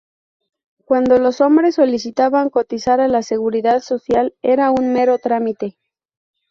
Cuando los hombres solicitaban cotizar a la seguridad social, era un mero trámite.